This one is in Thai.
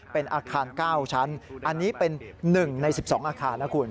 เป็นอาคาร๙ชั้นอันนี้เป็น๑ใน๑๒อาคารนะคุณ